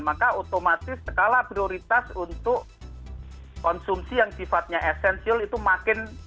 maka otomatis skala prioritas untuk konsumsi yang sifatnya esensial itu makin